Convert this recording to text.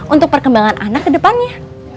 untuk perkembangan anak kedepannya